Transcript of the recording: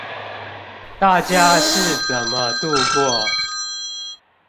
大家是怎麼度過